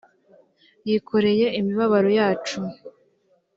yikoreye imibabaro yacu